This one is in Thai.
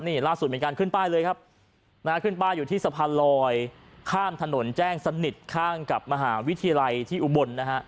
นี่ล่าสุดมีการขึ้นป้ายเลยครับนะฮะขึ้นป้ายอยู่ที่สะพานลอยข้ามถนนแจ้งสนิทข้างกับมหาวิทยาลัยที่อุบลนะฮะ